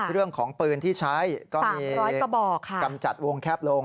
เรื่องของปืนที่ใช้ก็มีกำจัดวงแคบลง